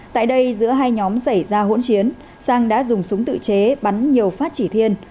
tại đây giữa hai nhóm xảy ra hỗn chiến sang đã dùng súng tự chế bắn nhiều phát chỉ thiên